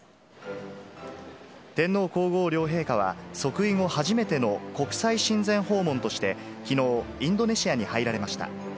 天皇皇后両陛下は、即位後初めての国際親善訪問として、きのう、インドネシアに入られました。